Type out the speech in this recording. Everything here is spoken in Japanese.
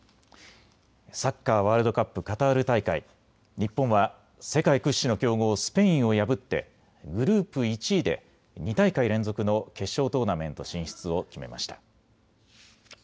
サッカーワールドカップカタール大会、日本は世界屈指の強豪スペインを破ってグループ１位で２大会連続の決勝トーナメント進出を決めました。